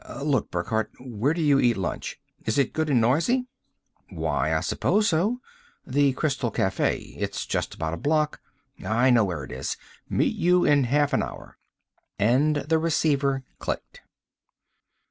Look, Burckhardt, where do you eat lunch? Is it good and noisy?" "Why, I suppose so. The Crystal Cafe. It's just about a block " "I know where it is. Meet you in half an hour!" And the receiver clicked.